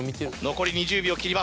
残り２０秒切ります。